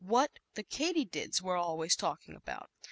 What the katydids were always talking about?